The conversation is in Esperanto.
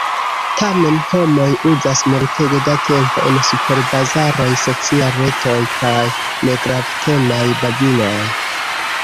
Tamen, homoj uzas multege da tempo en superbazaroj, sociaj retoj, kaj negravtemaj babiloj.